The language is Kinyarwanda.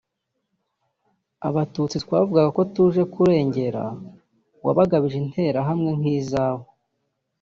Abatutsi twavugaga ko tuje kurengera wabagabije Interahamwe nkizawe